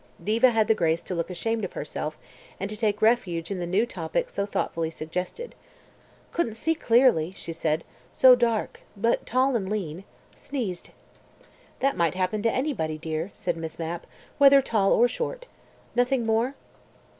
Diva had the grace to look ashamed of herself, and to take refuge in the new topic so thoughtfully suggested. "Couldn't see clearly," she said. "So dark. But tall and lean. Sneezed." "That might happen to anybody, dear," said Miss Mapp, "whether tall or short. Nothing more?"